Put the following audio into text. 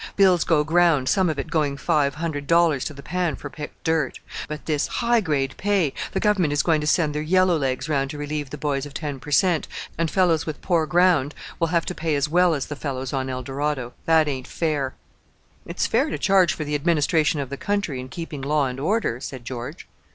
Bill's go ground, some of it going five hundred dollars to the pan for picked dirt. But this high grade pay! The Government is going to send their yellow legs round to relieve the boys of ten per cent., and fellows with poor ground will have to pay as well as the fellows on Eldorado. That ain't fair!" "It's fair to charge for the administration of the country and keeping law and order," said George.